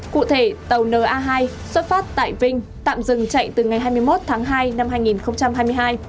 cụ thể tàu na hai xuất phát tại vinh tạm dừng chạy từ ngày hai mươi một tháng hai năm hai nghìn hai mươi hai